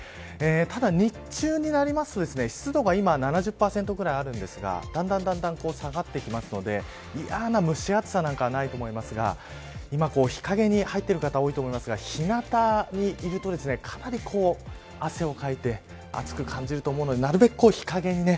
ただ日中になりますと湿度が今、７０％ぐらいあるんですがだんだん下がってきますのでいやな蒸し暑さなんかはないと思いますが今、日陰に入っている方、多いと思いますがひなたにいるとかなり汗をかいて暑く感じると思うのでなるべく日陰にね。